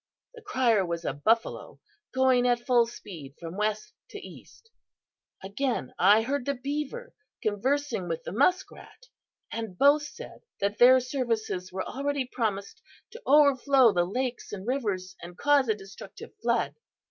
The crier was a Buffalo, going at full speed from west to east. Again, I heard the Beaver conversing with the Musk rat, and both said that their services were already promised to overflow the lakes and rivers and cause a destructive flood.